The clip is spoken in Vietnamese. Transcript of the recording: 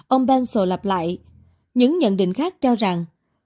ông pencil lặp lại những nhận định khác cho rằng